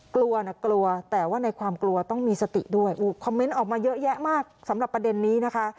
กลัวนะกลัวแต่ว่าในความกลัวต้องมีสติด้วยคอมเมนต์ออกมาเยอะแยะมากสำหรับประเด็นนี้นะคะ